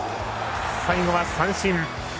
最後は三振。